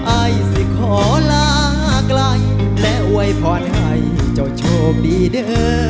อายสิขอลากลายและไว้พอดายเจ้าโชคดีเด้อ